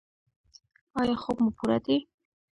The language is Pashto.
ایا خوب مو پوره دی؟